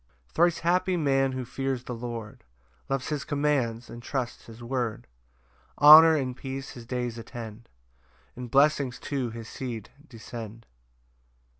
1 Thrice happy man who fears the Lord, Loves his commands, and trusts his word; Honour and peace his days attend, And blessings to his seed descend.